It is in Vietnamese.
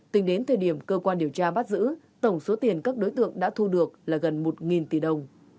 tính đến thời điểm cơ quan điều tra bắt giữ tổng số tiền các đối tượng đã thu được là gần một tỷ đồng